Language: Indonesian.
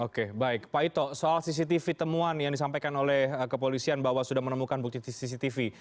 oke baik pak ito soal cctv temuan yang disampaikan oleh kepolisian bahwa sudah menemukan bukti cctv